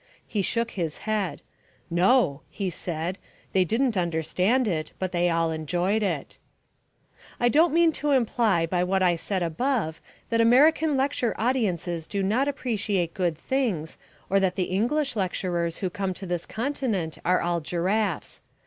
He shook his head. "No," he said, "they didn't understand it, but they all enjoyed it." I don't mean to imply by what I said above that American lecture audiences do not appreciate good things or that the English lecturers who come to this continent are all giraffes.